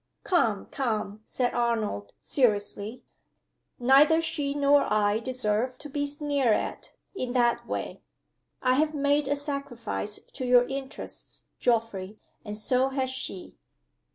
"Come! come!" said Arnold, seriously. "Neither she nor I deserve to be sneered at, in that way. I have made a sacrifice to your interests, Geoffrey and so has she."